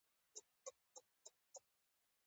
شاګردانو ته د ټولګي اصول په وضاحت تشریح شول.